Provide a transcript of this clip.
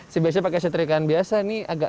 saya biasa pakai setrikaan biasa ini agak